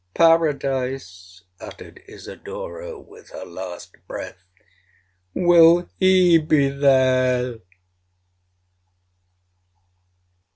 'Paradise!' uttered Isidora, with her last breath—'Will he be there!'